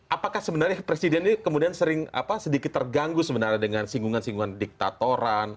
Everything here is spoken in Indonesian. apakah sebenarnya presiden ini kemudian sering sedikit terganggu sebenarnya dengan singgungan singgungan diktatoran